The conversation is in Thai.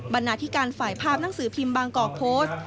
นาธิการฝ่ายภาพหนังสือพิมพ์บางกอกโพสต์